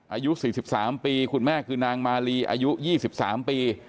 อายุ๔๓ปีคุณแม่คือนางมาลีอายุ๒๓ปี